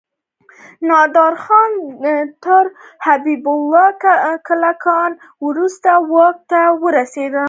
نادر خان تر حبيب الله کلکاني وروسته واک ته ورسيد.